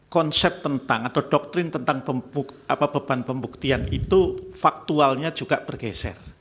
konsep tentang atau doktrin tentang beban pembuktian itu faktualnya juga bergeser